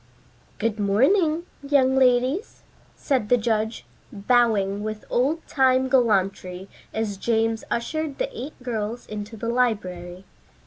"Good morning, young ladies," said the judge, bowing with old time gallantry as James ushered the eight girls into the library.